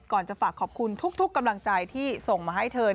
จะฝากขอบคุณทุกกำลังใจที่ส่งมาให้เธอ